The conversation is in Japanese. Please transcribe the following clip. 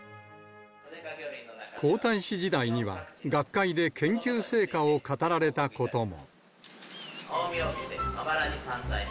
皇太子時代には、学会で研究成果を語られたことも。